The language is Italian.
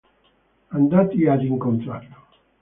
Andati ad incontrarlo.